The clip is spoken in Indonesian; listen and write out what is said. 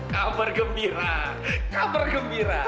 kabar gembira kabar gembira